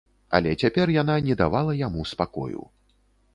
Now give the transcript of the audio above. Але цяпер яна не давала яму спакою.